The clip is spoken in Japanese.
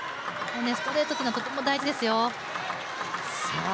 ストレートというのはとても大事ですよ。